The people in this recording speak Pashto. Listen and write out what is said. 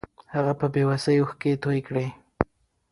هغه په بې وسۍ اوښکې توې کړې.